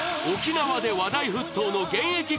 沖縄で話題沸騰の現役